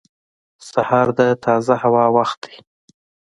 • سهار د تازه هوا وخت دی.